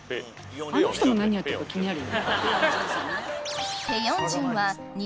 あの人も何やってるか気になる。